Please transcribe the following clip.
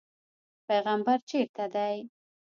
پیغمبر چېرته دی.